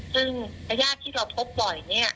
ซึ่งพระญาติที่เราพบบ่อย